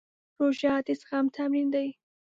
روژه د زغم تمرین دی.